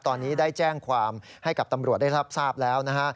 ตอนนี้ได้แจ้งความให้กับตำรวจได้รับทราบแล้วนะฮะ